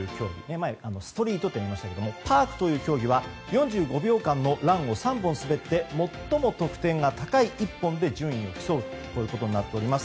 前はストリートがありましたがパークという競技は４５秒間のランを３本滑って最も得点が高い１本で順位を競うことになっています。